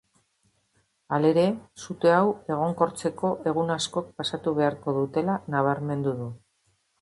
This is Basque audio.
Halere, sute hau egonkortzeko egun askok pasatu beharko dutela nabarmendu du.